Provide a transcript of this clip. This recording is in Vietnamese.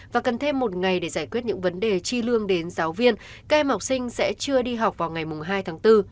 và cần thêm một ngày để giải quyết những vấn đề chi lương đến giáo viên các em học sinh sẽ chưa đi học vào ngày hai tháng bốn